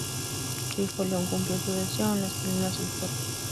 Su hijo León cumplió su deseo en las colinas del Fuerte.